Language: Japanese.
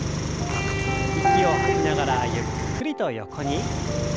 息を吐きながらゆっくりと横に。